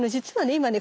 今ね